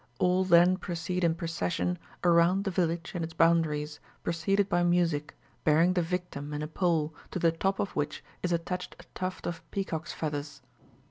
All then proceed in procession around the village and its boundaries, preceded by music, bearing the victim and a pole, to the top of which is attached a tuft of peacock's feathers.